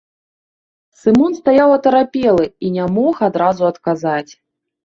Сымон стаяў атарапелы і не мог адразу адказаць.